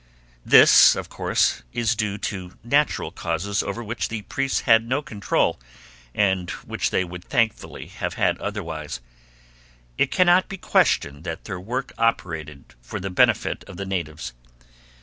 This, of course, is due to natural causes over which the priests had no control and which they would thankfully have had otherwise. It cannot be questioned that their work operated for the benefit of the natives.